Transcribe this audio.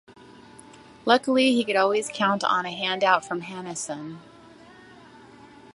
Luckily, he could always count on a handout from Hanussen.